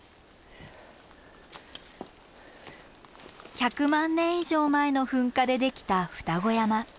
１００万年以上前の噴火でできた両子山。